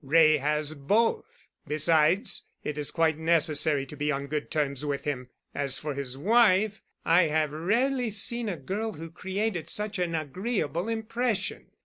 Wray has both. Besides, it is quite necessary to be on good terms with him. As for his wife, I have rarely seen a girl who created such an agreeable impression.